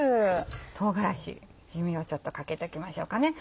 唐辛子一味をちょっとかけときましょうかね。